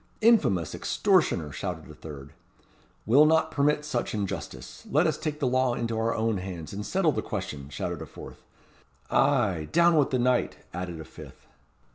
"Infamous extortioner!" shouted a third. "We'll not permit such injustice. Let us take the law into our own hands, and settle the question!" shouted a fourth. "Ay, down with the knight!" added a fifth.